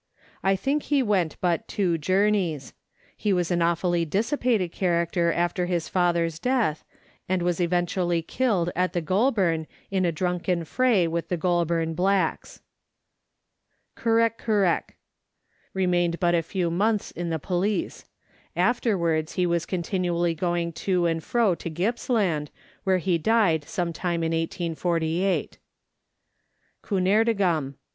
I think he went but two journeys ; he was an awfully dissipated character after his father's death, and was eventually killed at the Goulburn in a drunken fray with the Goulburn blacks. Curra Curra (Kur rek Kur reK). Remained but a few months in the" police. Afterwards he was continually going to and fro to Gippsland, where he died some time in 1848. Coonerdigum.